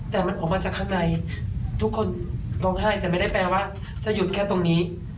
แต่มันออกมาจากข้างในทุกคนร้องไห้แต่ไม่ได้แปลว่าจะหยุดแค่ตรงนี้